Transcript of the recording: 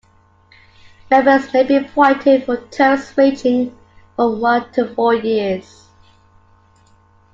Members may be appointed for terms ranging from one to four years.